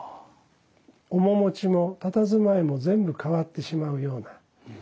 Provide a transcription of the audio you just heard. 面持ちもたたずまいも全部変わってしまうような。